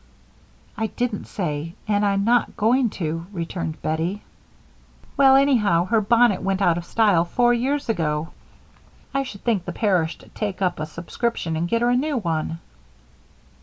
"I didn't say and I'm not going to," returned Bettie. "Well, anyhow, her bonnet went out of style four years ago. I should think the parish'd take up a subscription and get her a new one."